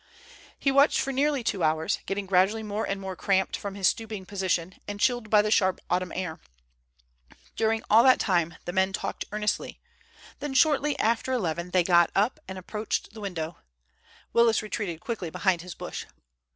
He watched for nearly two hours, getting gradually more and more cramped from his stooping position, and chilled by the sharp autumn air. During all that time the men talked earnestly, then, shortly after eleven, they got up and approached the window. Willis retreated quickly behind his bush.